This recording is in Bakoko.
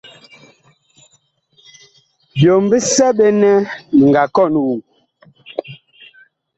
Byom bisɛ ɓe nɛ mi nga kɔn woŋ.